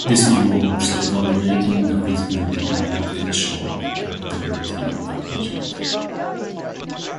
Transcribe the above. This involves evaluating the feasibility and potential profitability of the project.